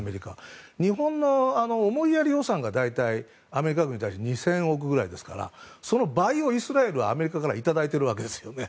日本の思いやり予算がアメリカ軍に対して２０００億ぐらいですからその倍をイスラエルはアメリカからいただいているわけです。